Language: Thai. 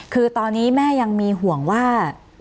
คือตอนนี้แม่ยังมีห่วงว่า